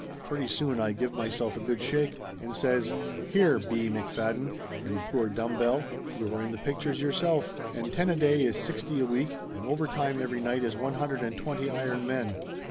Pretty soon I give myself a good shake and says "Here, B. McFadden, you poor dumb bell, you are in the pictures yourself, and ten a day is sixty a week and overtime every night is one hundred and twenty iron men.